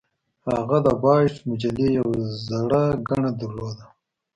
هغه د بایټ مجلې یوه زړه ګڼه درلوده